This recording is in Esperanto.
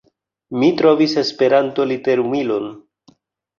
Mi trovis Esperanto literumilon.